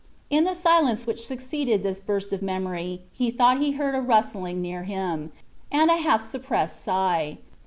In the silence which succeeded this burst of memory, he thought he heard a rustling near him, and a half suppressed sigh.